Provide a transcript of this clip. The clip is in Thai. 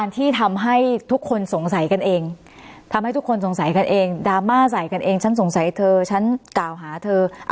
ทำให้ทุกคนสงสัยกันเองดราม่าใส่กันเองฉันสงสัยเธอฉันก่าวหาเธอ